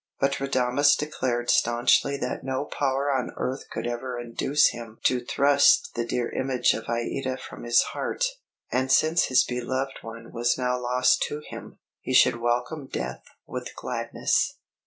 But Radames declared staunchly that no power on earth could ever induce him to thrust the dear image of Aïda from his heart; and since his beloved one was now lost to him, he should welcome death with gladness.